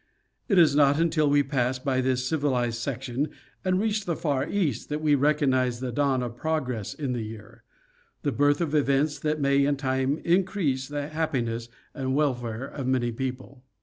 It is not until we pass by this civilized sec tion and reach the far east, that we recognize the dawn of prog ress in the year; the birth of events that may in time increase the happiness and welfare of many people.